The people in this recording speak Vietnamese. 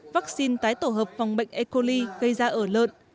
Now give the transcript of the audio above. vaccine tái tổ hợp phòng bệnh e coli gây ra ở lợn